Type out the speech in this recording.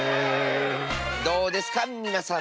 どうですかみなさん。